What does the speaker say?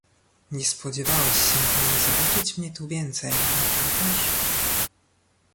"Nie spodziewałeś się pan zobaczyć mnie tu więcej, nieprawdaż?"